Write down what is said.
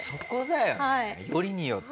よりによって。